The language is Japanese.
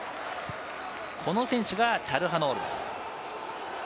この選手がチャルハノールです。